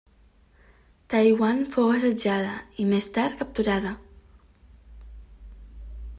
Taiyuan fou assetjada i, més tard, capturada.